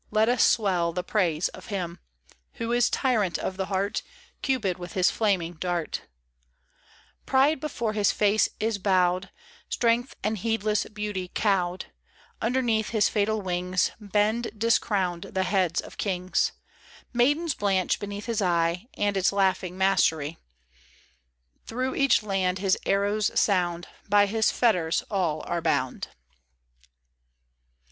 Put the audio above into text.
Let us swell the praise of him Who is tyrant of the heart, Cupid with his flaming dart 1 Pride before his face is bowed, Strength and heedless beauty cowed ; Underneath his fatal wings Bend discrowned the heads of kings ; Maidens blanch beneath his eye And its laughing mastery ; Through each land his arrows sound, By his fetters all are bound.